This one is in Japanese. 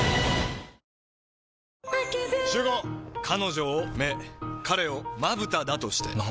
彼女を目彼をまぶただとして。